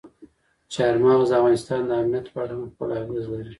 چار مغز د افغانستان د امنیت په اړه هم خپل اغېز لري.